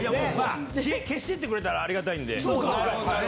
消してってくれたらありがたい。